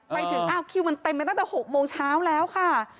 ไปถึงอ้าวคิวมันเต็มไปตั้งแต่๖โมงเช้าแล้วค่ะ